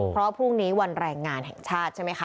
เพราะพรุ่งนี้วันแรงงานแห่งชาติใช่ไหมคะ